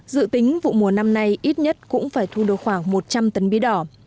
dự tính vụ mùa năm nay ít nhất cũng phải thu được khoảng một trăm linh tấn bí đỏ